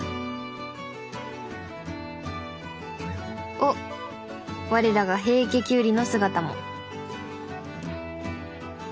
おっ我らが平家キュウリの姿も。